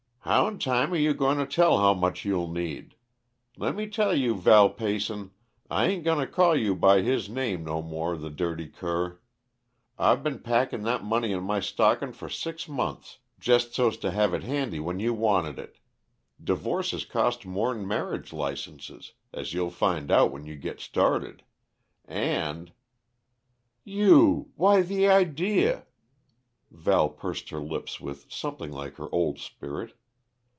"How'n time are you goin' to tell how much you'll need? Lemme tell you, Val Peyson I ain't goin' to call you by his name no more, the dirty cur! I've been packin' that money in my stockin' for six months, jest so'st to have it handy when you wanted it. Divorces cost more'n marriage licenses, as you'll find out when you git started. And " "You why, the idea!" Val pursed her lips with something like her old spirit.